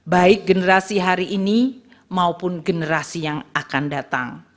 baik generasi hari ini maupun generasi yang akan datang